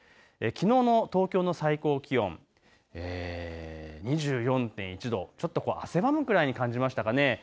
きのうの東京の最高気温、２４．１度、ちょっと汗ばむくらいに感じましたかね。